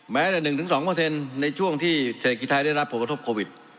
แม้แต่๑๒ในช่วงที่เศรษฐกิจไทยได้รับผลกระทบโควิด